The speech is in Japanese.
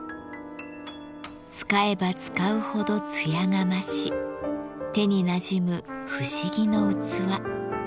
使えば使うほど艶が増し手になじむ不思議の器。